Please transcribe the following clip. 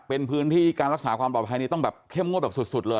เป็นพื้นที่การรักษาความปลอดภัยนี้ต้องแบบเข้มงวดแบบสุดเลย